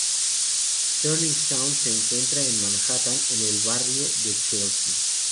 Sterling Sound se encuentra en Manhattan, en el barrio de Chelsea.